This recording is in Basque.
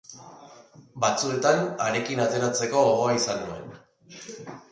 Batzuetan harekin ateratzeko gogoa izaten nuen.